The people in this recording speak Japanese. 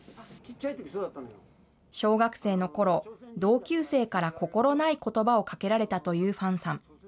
小学生のころ、同級生から心ないことばをかけられたというファンさん。